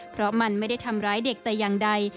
เพราะมันไม่ได้ทำร้ายเด็กแต่อย่างใด